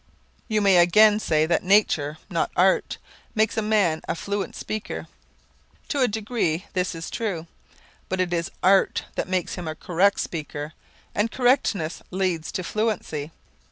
You may again say that nature, not art, makes a man a fluent speaker; to a great degree this is true, but it is art that makes him a correct speaker, and correctness leads to fluency.